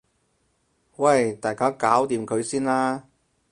喂大家搞掂佢先啦